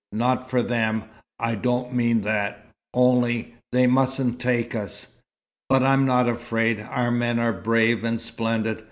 "Not for them, I don't mean that. Only they mustn't take us. But I'm not afraid. Our men are brave, and splendid.